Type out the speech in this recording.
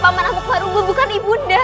paman abu farungul bukan ibu